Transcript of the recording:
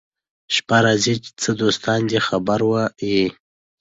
شپه راځي چي څه دوستان دي خبروه يې